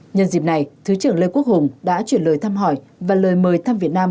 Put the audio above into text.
nhân dịp này thứ trưởng lê quốc hùng đã chuyển lời thăm hỏi và lời mời thăm việt nam